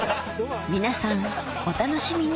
皆さんお楽しみに！